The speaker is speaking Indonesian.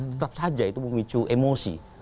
tetap saja itu memicu emosi